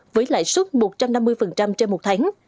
với lãi suất một trăm năm mươi trên một tháng